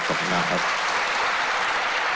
ขอบคุณมากครับ